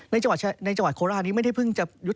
ในจังหวัดโคราชนี้ไม่ได้เพิ่งจะยุด